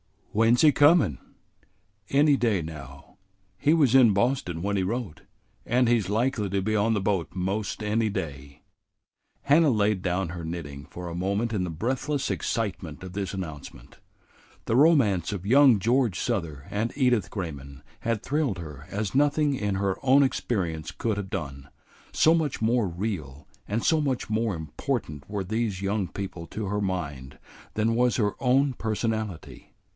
"When 's he comin'?" "Any day now. He was in Boston when he wrote, and he's likely to be on the boat 'most any day." Hannah laid down her knitting for a moment in the breathless excitement of this announcement. The romance of young George Souther and Edith Grayman had thrilled her as nothing in her own experience could have done, so much more real and so much more important were these young people to her mind than was her own personality.